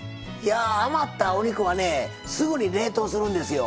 余ったお肉はすぐに冷凍するんですよ。